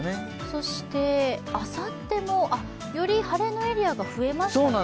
そしてあさってもより晴れのエリアが増えましたね。